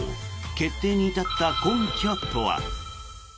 決定に至った根拠とは。